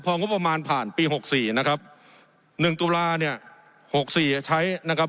พองบประมาณผ่านปีหกสี่นะครับหนึ่งตุลาเนี่ยหกสี่ใช้นะครับ